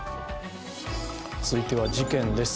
続いては事件です。